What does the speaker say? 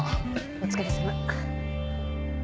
お疲れさま。